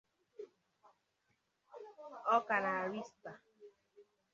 ọ ka na-arịsịta